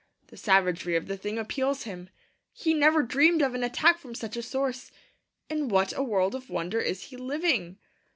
The savagery of the thing appals him; he never dreamed of an attack from such a source. In what a world of wonder is he living!